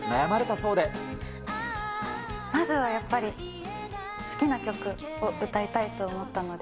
まずはやっぱり、好きな曲を歌いたいと思ったので。